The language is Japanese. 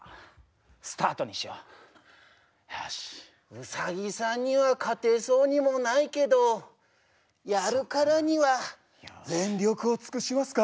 ウサギさんには勝てそうにもないけどやるからには全力を尽くしますか。